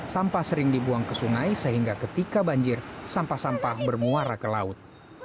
sampah sering dibuang ke sungai sehingga ketika banjir sampah sampah bermuara ke laut